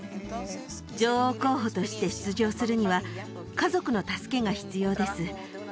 女王候補として出場するには家族の助けが必要です